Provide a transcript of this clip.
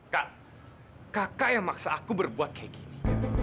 kak kakak yang maksa aku berbuat kayak gini